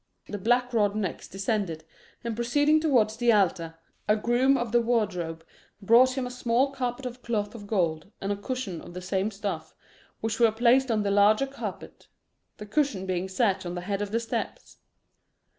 The black rod next descended, and proceeding towards the altar, a groom of the wardrobe brought him a small carpet of cloth of gold, and a cushion of the same stuff, which were placed on the larger carpet, the cushion being set on the head of the steps.